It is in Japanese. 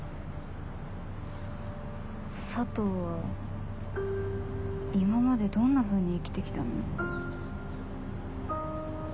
佐藤は今までどんなふうに生きて来たの？